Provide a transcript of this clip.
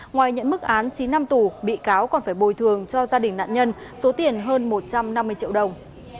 ngoài nhận mức án chín năm tù bị cáo còn phải bồi thường cho gia đình nạn nhân số tiền hơn một trăm năm mươi triệu đồng